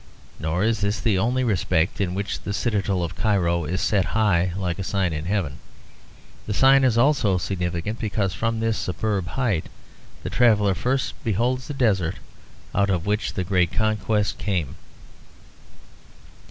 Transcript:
Nor is this the only respect in which the citadel of Cairo is set high like a sign in heaven. The sign is also significant because from this superb height the traveller first beholds the desert, out of which the great conquest came.